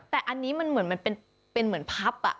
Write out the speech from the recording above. แต่อันนี้มันเหมือนมันเป็นเหมือนพับ